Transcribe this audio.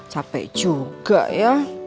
capek juga ya